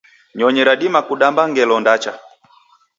Nyonyi radima kudamba ngelo ndacha